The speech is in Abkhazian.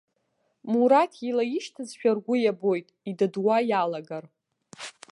Мураҭ илаишьҭызшәа ргәы иабоит, идыдуа иалагар.